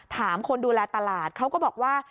คนดูแลตลาดเขาก็บอกว่า